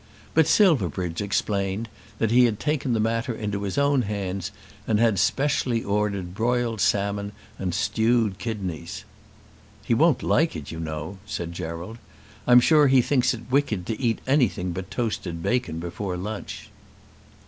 But Silverbridge explained that he had taken that matter into his own hands, and had specially ordered broiled salmon and stewed kidneys. "He won't like it, you know," said Gerald. "I'm sure he thinks it wicked to eat anything but toasted bacon before lunch."